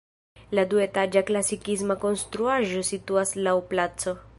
La duetaĝa klasikisma konstruaĵo situas laŭ placo.